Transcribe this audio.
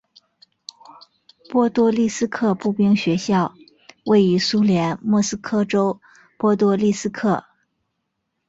波多利斯克步兵学校位于苏联莫斯科州波多利斯克。